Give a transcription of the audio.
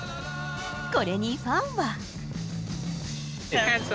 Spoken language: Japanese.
これにファンは。